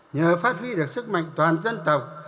nhờ phát huy được sức mạnh toàn dân tộc